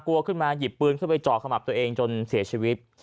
กลัวขึ้นมาหยิบปืนขึ้นไปจ่อขมับตัวเองจนเสียชีวิต